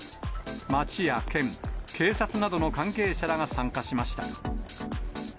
町や県、警察などの関係者らが参加しました。